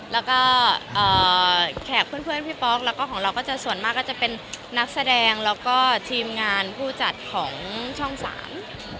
แล้วก็เอ่อแขกเพื่อนเพื่อนพี่ป๊อกแล้วก็ของเราก็จะส่วนมากก็จะเป็นนักแสดงแล้วก็ทีมงานผู้จัดของช่องสาม